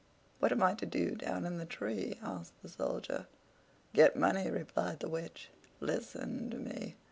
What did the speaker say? "What am I to do down in the tree?" asked the Soldier. "Get money," replied the Witch. "Listen to me.